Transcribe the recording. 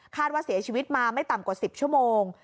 ว่าเสียชีวิตมาไม่ต่ำกว่า๑๐ชั่วโมง